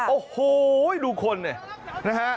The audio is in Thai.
โอ้โหดูคนเนี่ย